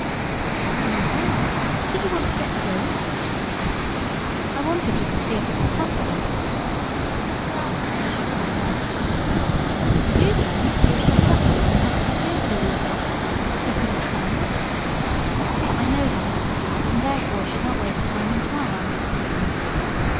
"What were you about? Did you want to get through?" "I wanted just to see if it were possible." I shook my head. "What would you do, John, if you were shut up here, and had to get over the yew hedge? You could not climb it?" "I know that, and, therefore, should not waste time in trying."